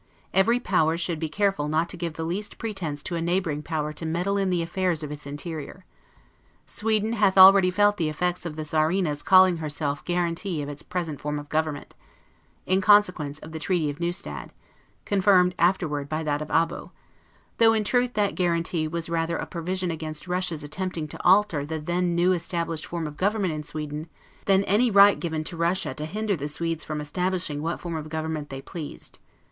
Every power should be very careful not to give the least pretense to a neighboring power to meddle with the affairs of its interior. Sweden hath already felt the effects of the Czarina's calling herself Guarantee of its present form of government, in consequence of the treaty of Neustadt, confirmed afterward by that of Abo; though, in truth, that guarantee was rather a provision against Russia's attempting to alter the then new established form of government in Sweden, than any right given to Russia to hinder the Swedes from establishing what form of government they pleased.